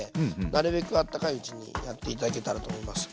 なるべくあったかいうちにやって頂けたらと思います。